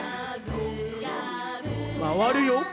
まわるよ。